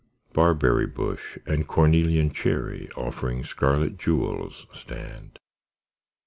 Barberry bush and cornelian cherry Offering scarlet jewels stand.